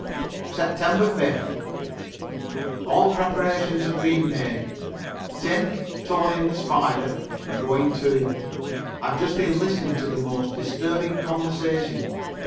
Sept. 5th. All preparations have been made. Tim, Tony and the Spider are going too. I have just been listening to the most disturbing conversation.